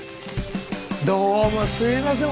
どうもすいません。